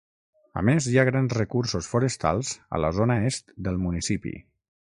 A més, hi ha grans recursos forestals a la zona est del municipi.